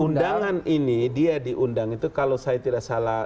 undangan ini dia diundang itu kalau saya tidak salah